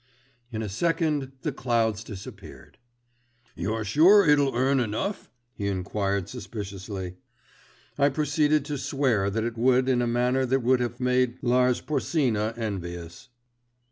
In a second the clouds disappeared. "You're sure it'll earn enough?" he enquired suspiciously. I proceed to swear that it would in a manner that would have made Lars Porsena envious.